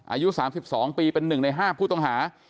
อายุ๓๒ปีเป็น๑ใน๕ผู้ต้องหา